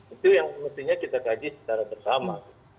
itu yang mestinya kita kaji secara bersama